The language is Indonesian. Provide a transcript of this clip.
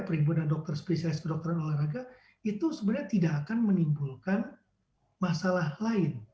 perhimpunan dokter spesialis kedokteran olahraga itu sebenarnya tidak akan menimbulkan masalah lain